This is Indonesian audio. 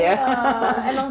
iya emang sangat juga ini ya